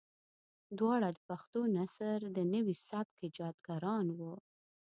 دواړه د پښتو نثر د نوي سبک ايجادګران وو.